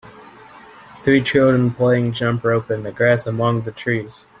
Three children playing jump rope in the grass among the trees.